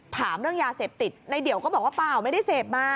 ถามเรื่องยาเสพติดในเดี่ยวก็บอกว่าเปล่าไม่ได้เสพมา